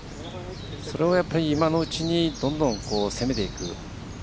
それを、今のうちにどんどん攻めていく。